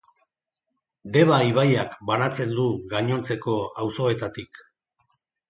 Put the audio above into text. Deba ibaiak banatzen du gainontzeko auzoetatik.